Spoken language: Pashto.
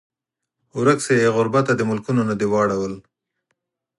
ورک شې ای غربته د ملکونو نه دې واړول